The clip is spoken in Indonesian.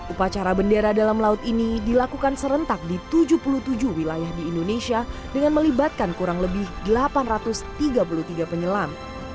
upacara bendera dalam laut ini dilakukan serentak di tujuh puluh tujuh wilayah di indonesia dengan melibatkan kurang lebih delapan ratus tiga puluh tiga penyelam